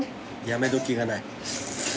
やめ時がない。